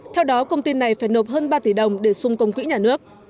theo đó công ty này phải nộp hơn ba tỷ đồng để xung công quỹ nhà nước